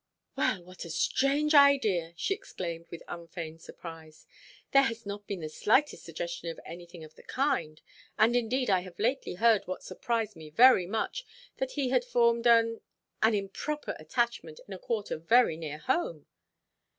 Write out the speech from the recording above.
"Well, what a strange idea!" she exclaimed, with unfeigned surprise. "There has not been the slightest suggestion of anything of the kind. And indeed I have lately heard what surprised me very much, that he had formed an—an improper attachment in a quarter very near home."